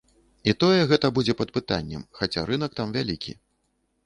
І тое, гэта будзе пад пытаннем, хаця рынак там вялікі.